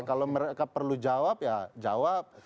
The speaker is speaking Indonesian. kalau mereka perlu jawab ya jawab